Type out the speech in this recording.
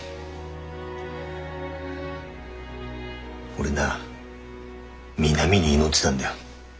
俺な美波に祈ってたんだよ。